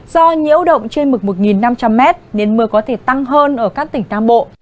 do nhiễu động trên mực một năm trăm linh m nên mưa có thể tăng hơn ở các tỉnh nam bộ